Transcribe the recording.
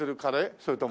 それとも。